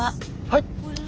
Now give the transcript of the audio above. はい？